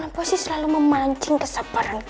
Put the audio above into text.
kenapa sih selalu memancing kesabaran kiki